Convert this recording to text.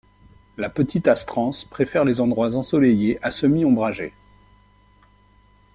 La petite astrance préfère les endroits ensoleillés à semi-ombragés.